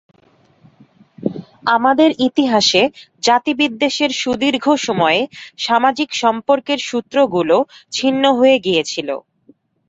আমাদের ইতিহাসে জাতিবিদ্বেষের সুদীর্ঘ সময়ে সামাজিক সম্পর্কের সূত্রগুলো ছিন্ন হয়ে গিয়েছিল।